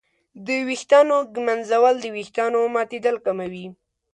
د ویښتانو ږمنځول د ویښتانو ماتېدل کموي.